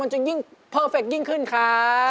จะยิ่งเพอร์เฟคยิ่งขึ้นครับ